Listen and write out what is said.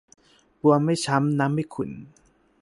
บัวไม่ช้ำ น้ำไม่ขุ่น